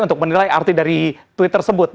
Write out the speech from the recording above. untuk menilai arti dari tweet tersebut